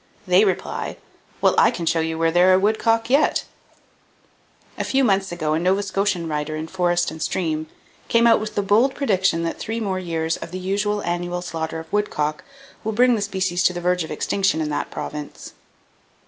They reply: "Well, I can show you where there are woodcock yet!" A few months ago a Nova Scotian writer in Forest and Stream came out with the bold prediction that three more years of the usual annual slaughter of woodcock will bring the species to the verge of extinction in that Province.